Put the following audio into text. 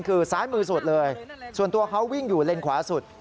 คือซ้ายมือสุดเลยส่วนตัวเขาวิ่งอยู่เลนขวาสุด